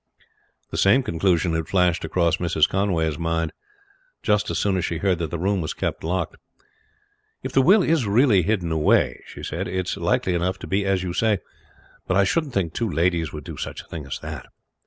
The same conclusion had flashed across Mrs. Conway's mind as soon as she heard that the room was kept locked. "If the will is really hidden away," she said, "it's likely enough to be as you say; but I shouldn't think two ladies would do such a thing as that."